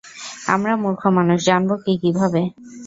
আমরা মূর্খ মানুষ, জানব কী কীভাবে?